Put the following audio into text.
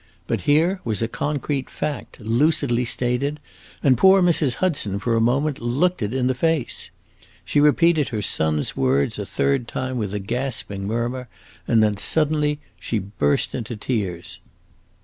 But here was a concrete fact, lucidly stated, and poor Mrs. Hudson, for a moment, looked it in the face. She repeated her son's words a third time with a gasping murmur, and then, suddenly, she burst into tears.